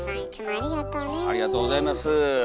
ありがとうございます。